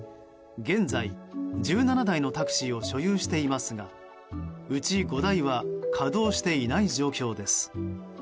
現在、１７台のタクシーを所有していますがうち５台は稼働していない状況です。